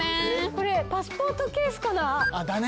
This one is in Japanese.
これパスポートケースかな？だね。